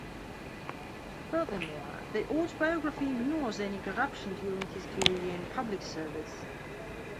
Furthermore, the autobiography ignores any corruption during his career in public service.